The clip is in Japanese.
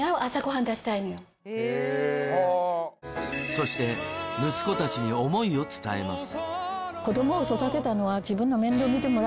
そして息子たちに思いを伝えます